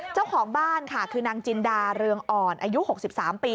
เจ้าของบ้านค่ะคือนางจินดาเรืองอ่อนอายุ๖๓ปี